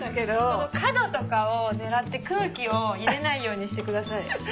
この角とかを狙って空気を入れないようにしてください。